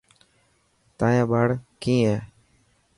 تايان ٻاڙ ڪئي هي.